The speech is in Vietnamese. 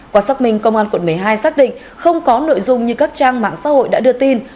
quả xác minh công an quận một mươi hai xác định không có nội dung như các trang mạng xã hội đã đưa tin